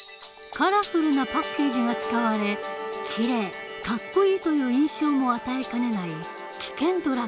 カラフルなパッケージが使われ「きれい」「かっこいい」という印象も与えかねない